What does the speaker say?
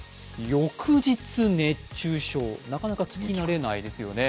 翌日熱中症なかなか聞き慣れないですよね。